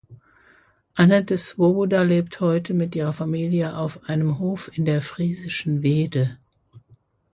Annette Swoboda lebt heute mit ihrer Familie auf einem Hof in der friesischen Wehde.